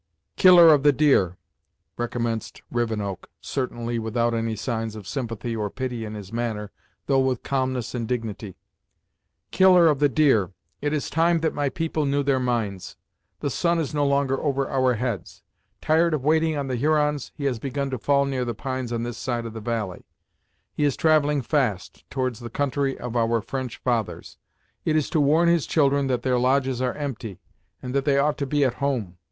"Killer of the Deer," recommenced Rivenoak, certainly without any signs of sympathy or pity in his manner, though with calmness and dignity, "Killer of the Deer, it is time that my people knew their minds. The sun is no longer over our heads; tired of waiting on the Hurons, he has begun to fall near the pines on this side of the valley. He is travelling fast towards the country of our French fathers; it is to warn his children that their lodges are empty, and that they ought to be at home.